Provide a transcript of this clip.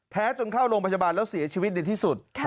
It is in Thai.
จนเข้าโรงพยาบาลแล้วเสียชีวิตในที่สุด